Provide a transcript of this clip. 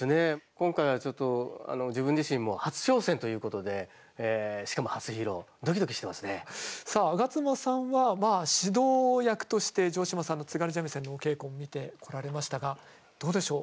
今回はちょっと自分自身もさあ上妻さんは指導役として城島さんの津軽三味線のお稽古を見てこられましたがどうでしょう？